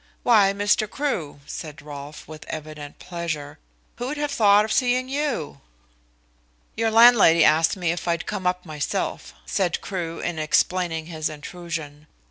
"Why, Mr. Crewe," said Rolfe, with evident pleasure, "who'd have thought of seeing you?" "Your landlady asked me if I'd come up myself," said Crewe, in explaining his intrusion.